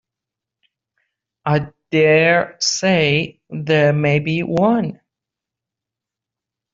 I dare say there may be one.